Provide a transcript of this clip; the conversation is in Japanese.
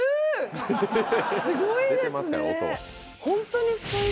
ホントに。